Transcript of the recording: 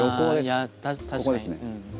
あ確かに。